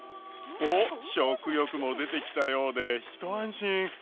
おっ食欲も出てきたようで一安心。